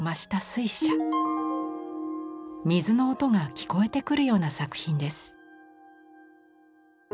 水の音が聞こえてくるような作品です。